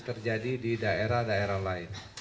terjadi di daerah daerah lain